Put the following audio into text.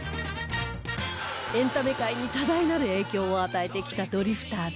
エンタメ界に多大なる影響を与えてきたドリフターズ